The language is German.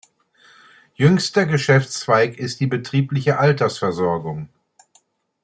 Jüngster Geschäftszweig ist die betriebliche Altersversorgung.